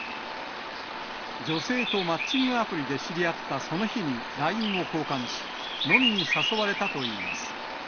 女性とマッチングアプリで知り合ったその日にＬＩＮＥを交換し、飲みに誘われたといいます。